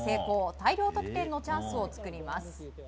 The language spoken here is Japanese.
大量得点のチャンスを作ります。